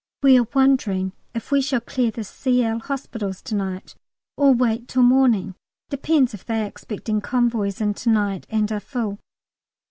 We are wondering if we shall clear the Cl. hospitals to night or wait till morning: depends if they are expecting convoys in to night and are full.